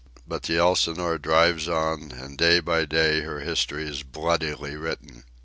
But the Elsinore drives on, and day by day her history is bloodily written.